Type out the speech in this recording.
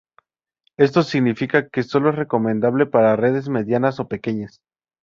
Esto significa que sólo es recomendable para redes medianas o pequeñas.